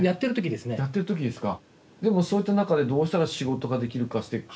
やってるときですか。